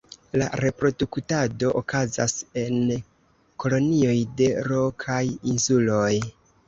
La reproduktado okazas en kolonioj de rokaj insuloj.